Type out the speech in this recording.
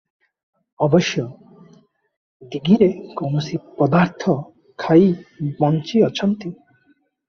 ଅବଶ୍ୟ ଦୀଘିରେ କୌଣସି ପଦାର୍ଥ ଖାଇ ବଞ୍ଚିଅଛନ୍ତି?